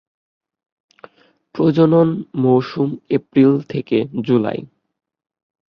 প্রজনন মৌসুম এপ্রিল থেকে জুলাই।